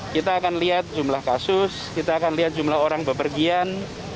kita akan lihat jumlah kasus kita akan lihat jumlah orang bepergian